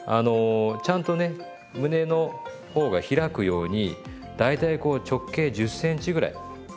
ちゃんとね胸の方が開くように大体こう直径１０ｃｍぐらい。